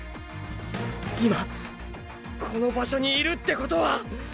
今この場所にいるってことは！！